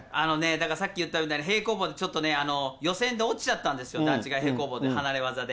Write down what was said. だからさっき言ったように、平行棒でちょっとね、予選で落ちちゃったんですよ、段違い平行棒で、離れ技で。